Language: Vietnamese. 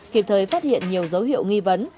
khiếp thời phát hiện nhiều dấu hiệu nghi vấn